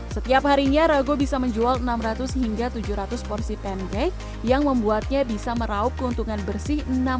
setiap harinya rago bisa menjual enam ratus hingga tujuh ratus porsi pancake yang membuatnya bisa meraup keuntungan bersih